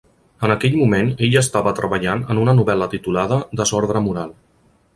En aquell moment ell estava treballant en una novel·la titulada "Desordre moral".